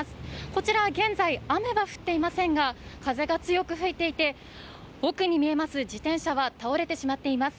こちら現在、雨は降っていませんが風が強く吹いていて、奥に見えます